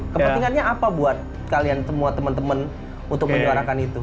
kepentingannya apa buat kalian semua teman teman untuk menyuarakan itu